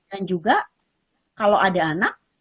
dan juga kalau ada anak